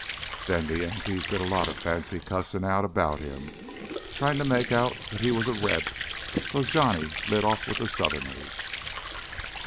Then the Yankees did a lot of fancy cussin' out 'bout him, trying to make out that he was a Reb' cause Johnny lit off with th' Southerners.